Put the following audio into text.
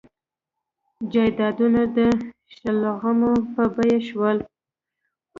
جایدادونه د شلغمو په بیه شول.